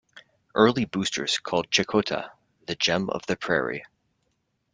Early boosters called Checotah, The Gem of the Prairie.